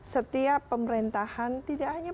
setiap pemerintahan tidak hanya